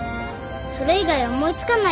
それ以外思い付かないや。